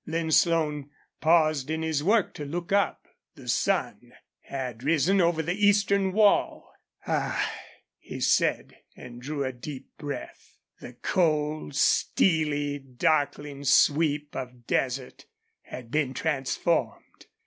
Lin Slone paused in his work to look up. The sun had risen over the eastern wall. "Ah!" he said, and drew a deep breath. The cold, steely, darkling sweep of desert had been transformed.